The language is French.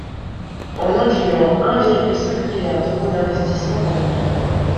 En incluant un virgule cinq milliard d’euros d’investissements d’avenir.